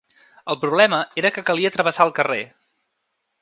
El problema era que calia travessar el carrer.